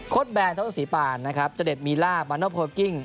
คดแบรนด์ท้าวน์ศรีปานจดดมีลามานอลพอลกิ้ง